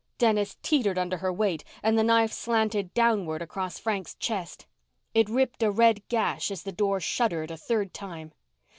Dennis teetered under her weight and the knife slanted downward across Frank's chest. It ripped a red gash as the door shuddered a third time.